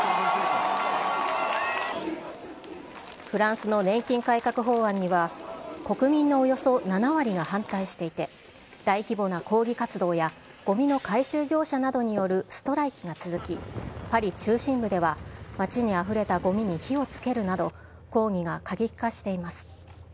フランスの年金改革法案には、国民のおよそ７割が反対していて、大規模な抗議活動や、ごみの回収業者などによるストライキが続き、パリ中心部では街にあふれたごみに火をつけるなど、抗議が過激化しています。